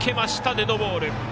デッドボール。